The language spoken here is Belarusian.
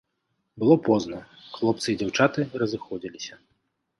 Было позна, хлопцы і дзяўчаты разыходзіліся.